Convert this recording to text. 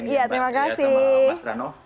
semoga selalu sehat mas ya